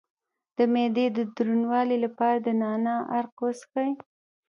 د معدې د دروندوالي لپاره د نعناع عرق وڅښئ